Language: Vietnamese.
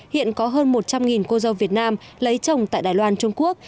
hiện có hơn một trăm linh cô dâu việt nam lấy chồng tại đài loan trung quốc